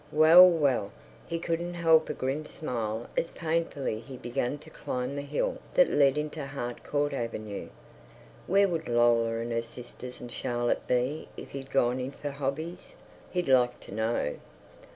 Well, well! He couldn't help a grim smile as painfully he began to climb the hill that led into Harcourt Avenue. Where would Lola and her sisters and Charlotte be if he'd gone in for hobbies, he'd like to know?